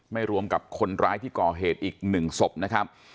รวมกับคนร้ายที่ก่อเหตุอีก๑ศพนะครับ